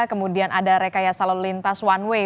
kemudian ada rekayasa lalu lintas one way